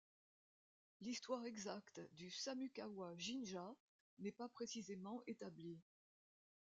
L'histoire exacte du Samukawa-jinja n'est pas précisément établie.